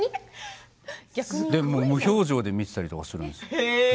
無表情で見ていたりするんですよ。